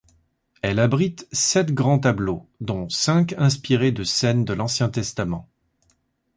Elle abrite sept grands tableaux, dont cinq inspirés de scènes de l'Ancien Testament.